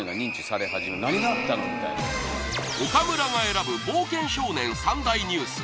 岡村が選ぶ冒険少年３大ニュース